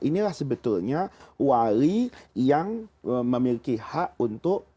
inilah sebetulnya wali yang memiliki hak untuk